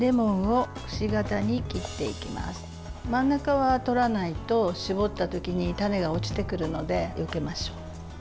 真ん中はとらないと搾ったときに種が落ちてくるのでよけましょう。